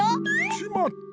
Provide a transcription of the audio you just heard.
しまった！